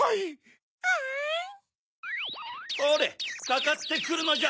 ほれかかってくるのじゃ。